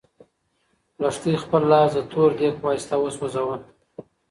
لښتې خپل لاس د تور دېګ په واسطه وسوځاوه.